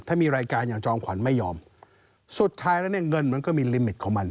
ถ้ามีรายการอย่างจอมขวัญไม่ยอมสุดท้ายแล้วเนี่ยเงินมันก็มีลิมิตของมัน